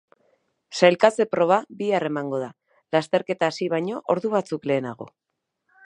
Sailkatze proba bihar emango da, lasterketa hasi baino ordu batzuk lehenago.